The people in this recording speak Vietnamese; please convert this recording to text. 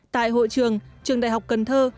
tại hội trường trường đại học cần thơ